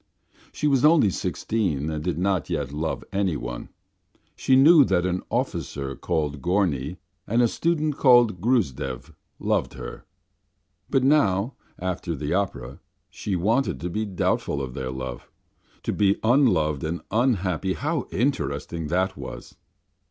She was only sixteen and did not yet love anyone. She knew that an officer called Gorny and a student called Gruzdev loved her, but now after the opera she wanted to be doubtful of their love. To be unloved and unhappy how interesting that was.